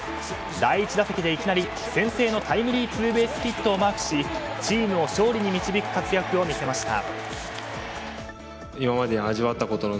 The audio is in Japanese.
第１打席で、いきなり先生のタイムリーツーベースヒットをマークしチームを勝利に導く活躍を見せました。